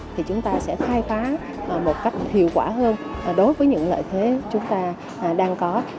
thì chúng ta sẽ khai phá một cách hiệu quả hơn đối với những lợi thế chúng ta đang có